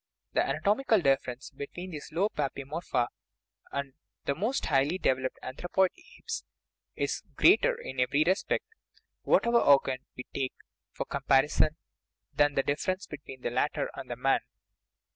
The ana tomical difference between these low papiomorpha and the most highly developed anthropoid apes is greater in every respect, whatever organ we take for compari son, than the difference between the latter and man.